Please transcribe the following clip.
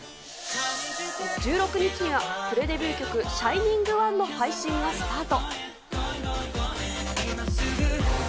１６日にはプレデビュー曲、ＳｈｉｎｉｎｇＯｎｅの配信がスタート。